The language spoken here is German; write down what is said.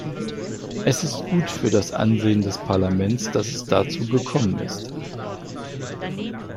Es ist gut für das Ansehen des Parlaments, dass es dazu gekommen ist.